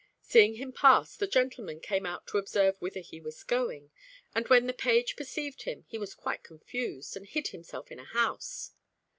Seeing him pass, the gentleman came out to observe whither he was going, and when the page perceived him, he was quite confused, and hid himself in a house.